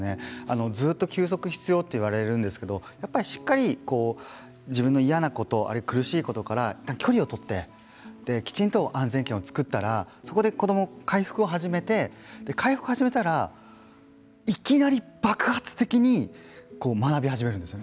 ずっと休息必要と言われるんですけど、やっぱりしっかり自分の嫌なこと、苦しいことから距離を取ってきちんと安全圏を作ったらそこで子どもは回復を始めて回復を始めたらいきなり爆発的に学び始めるんですよ。